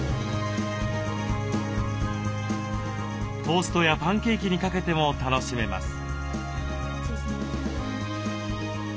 トーストやパンケーキにかけても楽しめます。